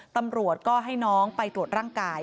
ตำรวจก็ให้น้องไปตรวจร่างกาย